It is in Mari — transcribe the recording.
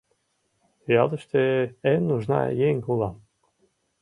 Ялыште эн нужна еҥ улам.